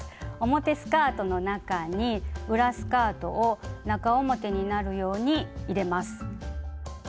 表スカートの中に裏スカートを中表になるように入れます。